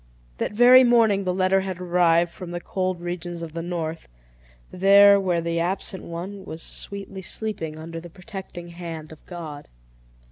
That very morning the letter had arrived from the cold regions of the north; there, where the absent one was sweetly sleeping under the protecting hand of God.